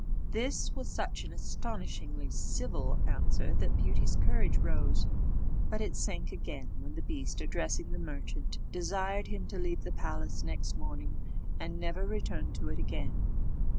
This was such an astonishingly civil answer that Beauty's courage rose: but it sank again when the beast, addressing the merchant, desired him to leave the palace next morning, and never return to it again.